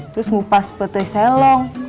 terus ngupas petai selong